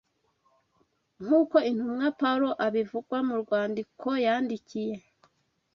nk’uko intumwa Pawulo abivuga mu rwandiko yandikiye